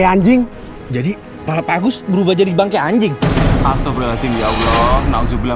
anjing jadi pak agus berubah jadi bangke anjing astaghfirullahaladzim ya allah na'udzubillah